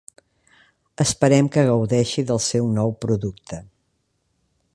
Esperem que gaudexi del seu nou producte.